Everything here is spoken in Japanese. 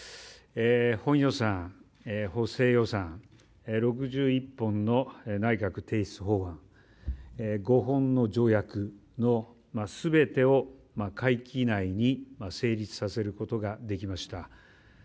本予算、補正予算６１本の内閣提出法案５本の条約の全てを会期内に成立させることができました。